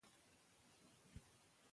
ښځې د نارینه وو پرتله ډېرې اغېزمنې کېږي.